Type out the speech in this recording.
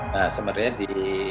nah sebenarnya di